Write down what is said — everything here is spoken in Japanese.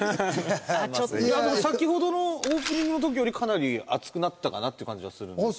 先ほどのオープニングの時よりかなり厚くなったかなっていう感じはするんですけど。